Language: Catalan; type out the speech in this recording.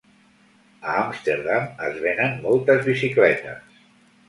A Amsterdam es venen moltes bicicletes.